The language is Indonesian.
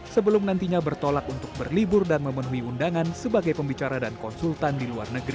sebelum nantinya bertolak untuk berlibur dan memenuhi undangan sebagai pembicara dan konsultan di luar negeri